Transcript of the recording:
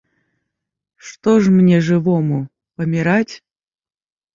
Што ж мне, жывому, паміраць?